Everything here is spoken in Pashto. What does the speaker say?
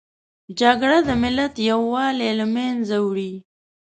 جګړه د ملت یووالي له منځه وړي